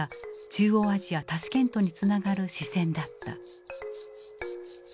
中央アジアタシケントにつながる支線だった。